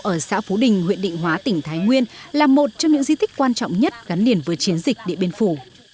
ở xã phú đình huyện định hóa tỉnh thái nguyên là một trong những di tích quan trọng nhất gắn liền với chiến dịch địa biên phủ